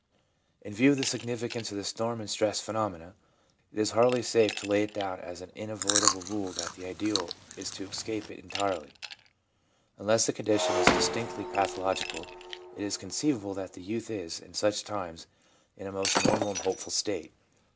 In view of the significance of the storm and stress phenomena, it is hardly safe to lay it down as an in violable rule that the ideal is to escape it entirely. Unless the condition is distinctly pathological, it is conceivable that the youth is, in such times, in a most normal and hopeful state.